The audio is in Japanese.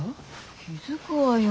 気付くわよ。